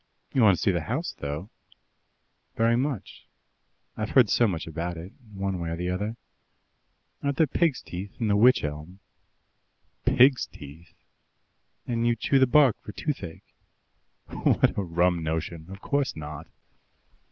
"You want to see the house, though?" "Very much I've heard so much about it, one way or the other. Aren't there pigs' teeth in the wych elm?" "PIGS' TEETH?" "And you chew the bark for toothache." "What a rum notion! Of course not!"